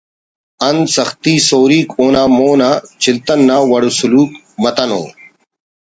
انت سختی سوریک اونا مون آ چلتن نا وڑ سلوک متنو